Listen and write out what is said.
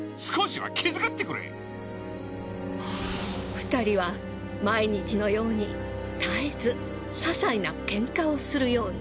２人は毎日のように絶えず些細な喧嘩をするように。